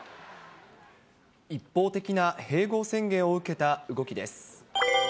一方的な併合宣言を受けた動きです。